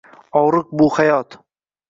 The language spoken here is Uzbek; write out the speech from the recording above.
Og‘riq bu — hayot